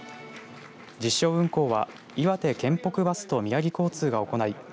実証運行は、岩手県北バスと宮城交通が行い